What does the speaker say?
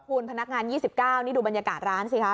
คุณพนักงาน๒๙นี่ดูบรรยากาศร้านสิคะ